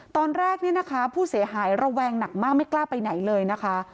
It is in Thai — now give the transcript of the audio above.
ตอนแรกเนี่ยนะคะผู้เสียหายระแวงหนักมากไม่กล้าไปไหนเลยนะคะ